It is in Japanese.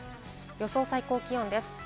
予想最高気温です。